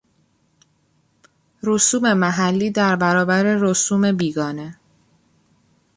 رسوم محلی در برابر رسوم بیگانه